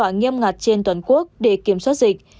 tìm tỏa nghiêm ngặt trên toàn quốc để kiểm soát dịch